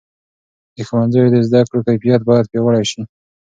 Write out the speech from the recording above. د ښوونځیو د زده کړو کیفیت باید پیاوړی سي.